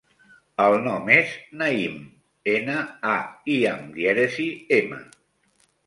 El nom és Naïm: ena, a, i amb dièresi, ema.